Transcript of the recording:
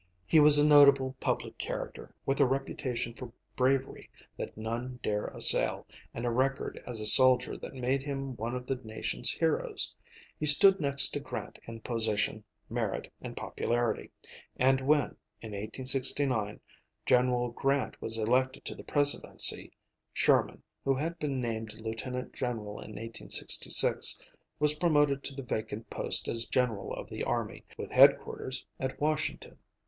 He was a notable public character, with a reputation for bravery that none dare assail, and a record as a soldier that made him one of the nation's heroes. He stood next to Grant in position, merit, and popularity; and when, in 1869, General Grant was elected to the presidency, Sherman, who had been named lieutenant general in 1866, was promoted to the vacant post as general of the army, with head quarters at Washington.